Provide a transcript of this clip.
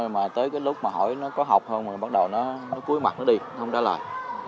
mà tới cái lúc mà hỏi nó có học không bắt đầu nó cúi mặt nó đi nó không trả lời